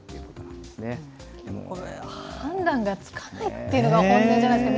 これ、判断がつかないというのが、本音じゃないですか。